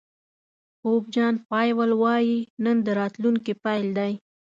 پوپ جان پایول وایي نن د راتلونکي پيل دی.